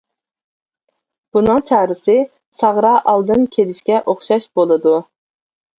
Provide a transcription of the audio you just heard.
بۇنىڭ چارىسى ساغرا ئالدىن كېلىشكە ئوخشاش بولىدۇ.